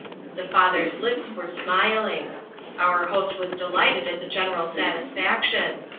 The father's lips AM re smiling. Our host was delighted at the general satisfaction.